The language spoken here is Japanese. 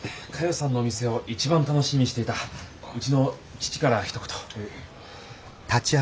さんの店を一番楽しみにしていたうちの父からひと言。